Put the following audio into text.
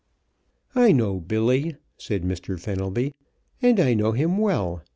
"I know Billy," said Mr. Fenelby, "and I know him well.